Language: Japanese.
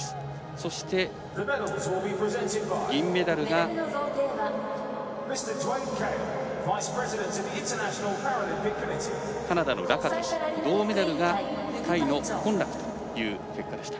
そして銀メダルがカナダのラカトシュ銅メダルがタイのコンラックという結果でした。